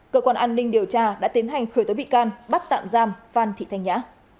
cơ quan an ninh điều tra đã tiến hành khởi tố bị can bắt tạm giam phan thị thanh nhã